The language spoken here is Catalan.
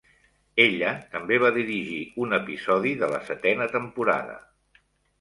Ella també va dirigir un episodi de la setena temporada.